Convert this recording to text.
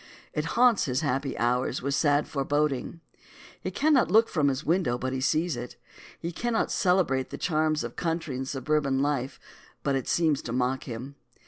It haunts his happy hours with sad foreboding. He cannot look from his window but he sees it. He cannot celebrate the charms of country and suburban life but it seems to mock him.